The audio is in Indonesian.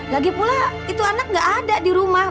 lagipula itu anak enggak ada di rumah